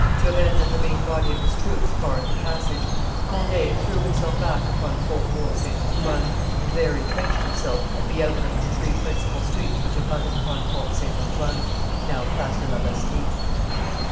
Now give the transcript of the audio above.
Turenne and the main body of his troops barred the passage. Conde threw himself back upon Faubourg St. Antoine, and there intrenched himself, at the outlet of the three principal streets which abutted upon Porte St. Antoine (now Place do la Bastille).